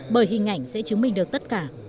bởi hình ảnh sẽ chứng minh được tất cả